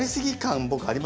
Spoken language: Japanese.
僕ありますよね？